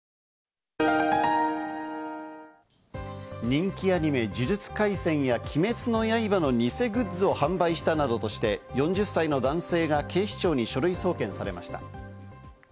人気アニメ『呪術廻戦』や『鬼滅の刃』の偽グッズを販売したなどとして４０歳の男性が警視庁に書類送検されました。